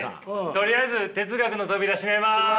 とりあえず哲学の扉閉めます。